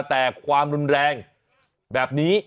แต่ความรุนแรงแบบนี้